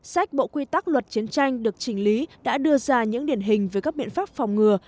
sách bộ quy tắc luật chiến tranh được chỉnh lý đã đưa ra những điển hình về các biện pháp phòng ngừa